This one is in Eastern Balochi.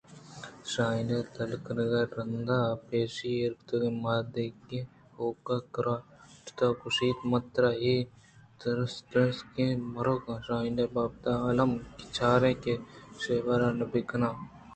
شاہین ءِ دلترک کنگ ءَ رند پِشّی ایراتک ءُ مادگیں ہُوک ءِ کرّا شُت ءُ گوٛشت من ترا اے تُرسناکیں مُرغ شاہین ءِ بابت ءَ الّمیں کہ چاڑّ کہ ءُ شِیوار بہ کنائیناں